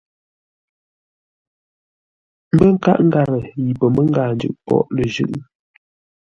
Mbə́ nkâʼ ngarə yi pəməngâa njʉʼ póghʼ lə jʉ́.